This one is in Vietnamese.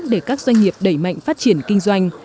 để các doanh nghiệp đẩy mạnh phát triển kinh doanh